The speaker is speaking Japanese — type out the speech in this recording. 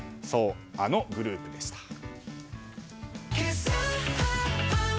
あのグループでした。